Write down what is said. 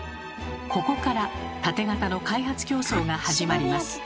ここからタテ型の開発競争が始まります。